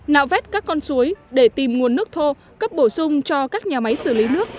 nạo vét các con suối để tìm nguồn nước thô cấp bổ sung cho các nhà máy xử lý nước